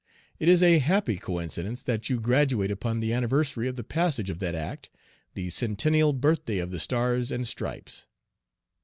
It is a happy coincidence that you graduate upon the anniversary of the passage of that act the centennial birthday of the stars and stripes.